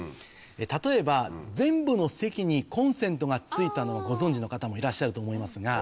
例えば全部の席にコンセントがついたのをご存じの方もいらっしゃると思いますが。